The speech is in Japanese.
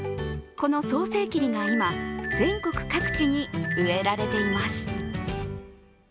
この早生桐が今、全国各地に植えられています。